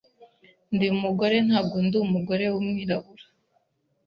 ndi umugore ntabwo ndi umugore w’umwirabura